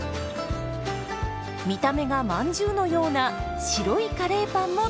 見た目がまんじゅうのような白いカレーパンも登場！